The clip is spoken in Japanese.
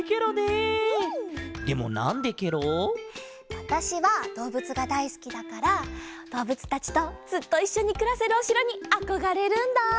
わたしはどうぶつがだいすきだからどうぶつたちとずっといっしょにくらせるおしろにあこがれるんだ！